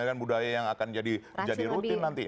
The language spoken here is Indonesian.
dengan budaya yang akan jadi rutin nanti